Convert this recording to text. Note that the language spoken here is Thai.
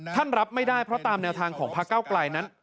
รับไม่ได้เพราะตามแนวทางของพระเก้าไกลนั้น